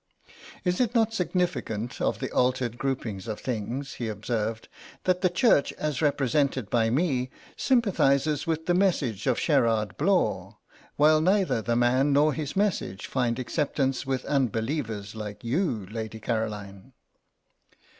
"Is it not significant of the altered grouping of things," he observed, "that the Church, as represented by me, sympathises with the message of Sherard Blaw, while neither the man nor his message find acceptance with unbelievers like you, Lady Caroline."